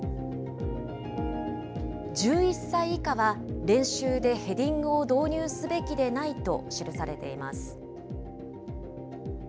１１歳以下は、練習でヘディングを導入すべきでないと記されています。